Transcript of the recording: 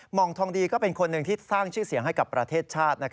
องทองดีก็เป็นคนหนึ่งที่สร้างชื่อเสียงให้กับประเทศชาติ